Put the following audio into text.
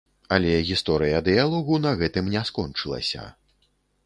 Але гісторыя дыялогу на гэтым не скончылася.